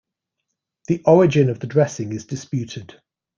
The origin of the dressing is disputed.